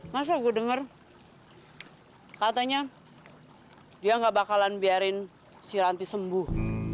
masa gue denger katanya dia gak bakalan biarin si ranti sembuh